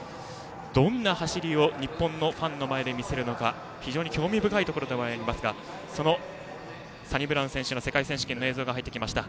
どんな走りを日本のファンの前で見せるか興味深いですがそのサニブラウン選手の世界選手権の映像が入ってきました。